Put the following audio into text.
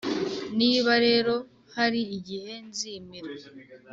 niba rero hari igihe nzimira